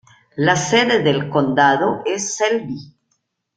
La sede del condado es Selby.